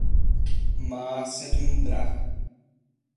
Má sedm drah.